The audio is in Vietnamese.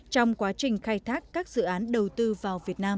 trong quá trình khai thác các dự án đầu tư vào việt nam